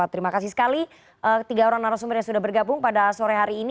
terima kasih sekali tiga orang narasumber yang sudah bergabung pada sore hari ini